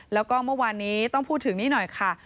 แล้วก็เมื่อวานนี้ต้องพูดถึงนี่หน่อยค่ะ